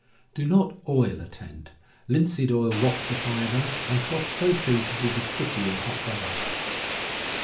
Do not oil a tent. Linseed oil rots the fiber, and cloth so treated will be sticky in hot weather.